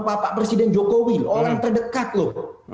bapak presiden jokowi orang terdekat loh